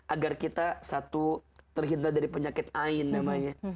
agar kita satu terhinta dari penyakit ayn namanya